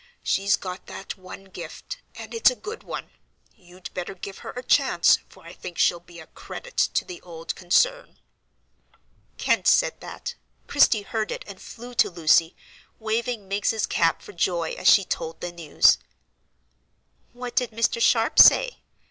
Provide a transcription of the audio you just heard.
She's got that one gift, and it's a good one. You'd better give her a chance, for I think she'll be a credit to the old concern." Kent said that,—Christie heard it, and flew to Lucy, waving Miggs's cap for joy as she told the news. "What did Mr. Sharp say?"